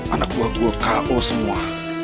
anak buah gue ko semua